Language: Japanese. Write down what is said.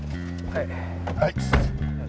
はい。